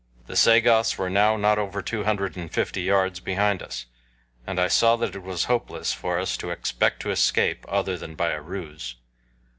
The Sagoths were now not over two hundred and fifty yards behind us, and I saw that it was hopeless for us to expect to escape other than by a ruse.